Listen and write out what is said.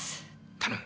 頼む。